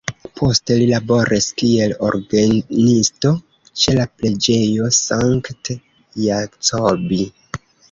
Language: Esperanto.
Poste li laboris kiel orgenisto ĉe la preĝejo St.-Jacobi.